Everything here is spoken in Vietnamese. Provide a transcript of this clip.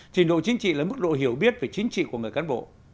trình độ chính trị là mức độ hiểu biết về chính trị của người cán bộ